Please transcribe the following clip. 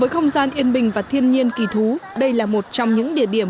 không gian yên bình và thiên nhiên kỳ thú đây là một trong những địa điểm